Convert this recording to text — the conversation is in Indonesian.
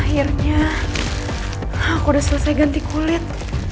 akhirnya aku udah selesai ganti kulit